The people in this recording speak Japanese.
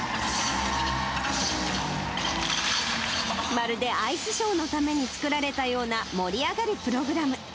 まるでアイスショーのために作られたような、盛り上がるプログラム。